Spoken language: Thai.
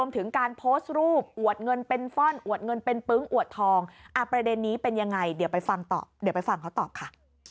ต่อเดี๋ยวไปฟังเขาตอบค่ะ